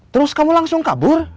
terus kamu langsung kabur